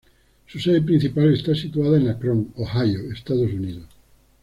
Su sede principal está situada en Akron, Ohio, Estados Unidos.